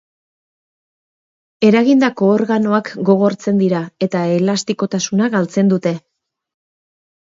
Eragindako organoak gogortzen dira eta elastikotasuna galtzen dute.